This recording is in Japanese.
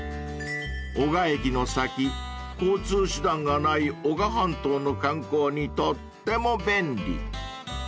［男鹿駅の先交通手段がない男鹿半島の観光にとっても便利］